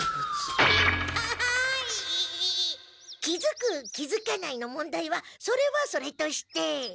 気づく気づかないの問題はそれはそれとして。